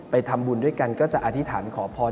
ทำบุญด้วยกันก็จะอธิษฐานขอพร